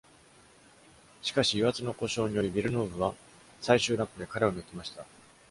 しかし、油圧の故障により、Villeneuve は最終ラップで彼を抜きました。